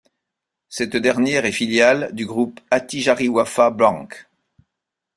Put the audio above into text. Cette dernière est filiale du groupe Attijariwafa Bank.